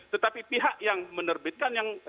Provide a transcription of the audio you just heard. tetapi pihak yang menerbitkan yang